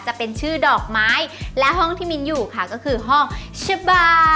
จะเป็นชื่อดอกไม้และห้องที่มิ้นอยู่ค่ะก็คือห้องชะบา